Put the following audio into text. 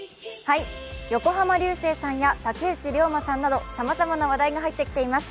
横浜流星さんや竹内涼真さんなどさまざまな話題が入ってきています。